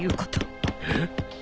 えっ！？